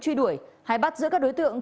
truy đuổi hay bắt giữa các đối tượng